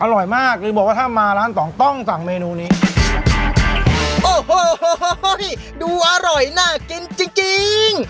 อร่อยมากเลยบอกว่าถ้ามาร้านสองต้องสั่งเมนูนี้โอ้โหดูอร่อยน่ากินจริงจริง